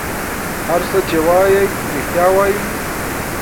هر څه چې وایي رېښتیا وایي.